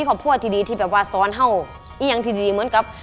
ก็ไม่ได้ยืนให้มักเลยนะครับ